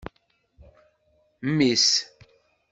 Mmi-s.